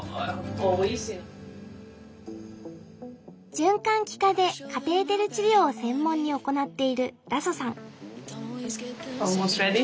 循環器科でカテーテル治療を専門に行っているラサさん。